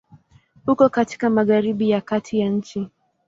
Uko katika Magharibi ya Kati ya nchi.